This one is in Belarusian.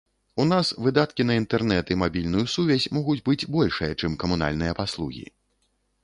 У нас выдаткі на інтэрнэт і мабільную сувязь могуць быць большыя, чым камунальныя паслугі.